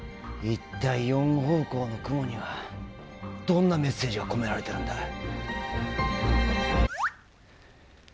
一体４方向の雲にはどんなメッセージが込められてるんだ